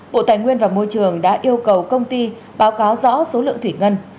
bộ tài nguyên và môi trường đã yêu cầu công ty báo cáo rõ số lượng thủy ngân